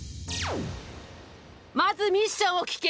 まずミッションを聞け！